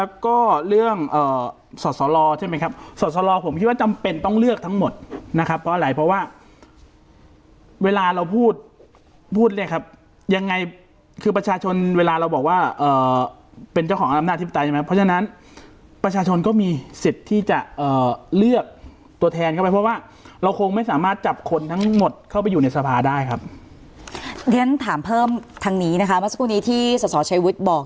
เวลาเราพูดพูดเรียกครับยังไงคือประชาชนเวลาเราบอกว่าเป็นเจ้าของอำนาจที่ปฏิใช่ไหมเพราะฉะนั้นประชาชนก็มีสิทธิ์ที่จะเลือกตัวแทนเข้าไปเพราะว่าเราคงไม่สามารถจับคนทั้งหมดเข้าไปอยู่ในสภาคมได้ครับ